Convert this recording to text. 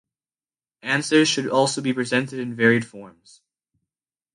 Answers should also be presented in varied forms.